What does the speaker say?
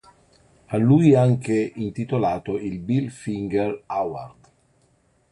A lui è anche intitolato il "Bill Finger Award".